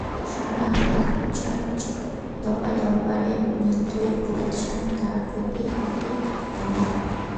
Sarah বাদশাহর দরবারে নীত হলে, বাদশাহ তাঁর প্রতি হাত বাড়ায়।